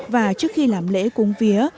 và trước khi làm lễ cúng vía